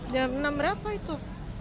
jam enam berapa itu